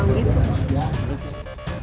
kecelakaan ini mengatakan bahwa